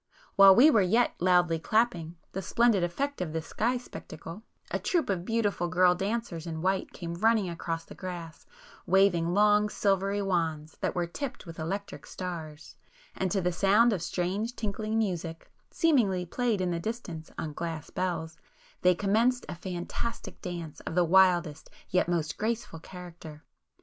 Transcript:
While we were yet loudly clapping the splendid effect of this sky spectacle, a troop of beautiful girl dancers in white came running across the grass, waving long silvery wands that were tipped with electric stars, and to the sound of strange tinkling music, seemingly played in the distance on glass bells, they commenced a fantastic dance of the wildest yet most graceful character.